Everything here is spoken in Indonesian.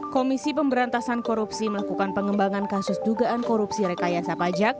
komisi pemberantasan korupsi melakukan pengembangan kasus dugaan korupsi rekayasa pajak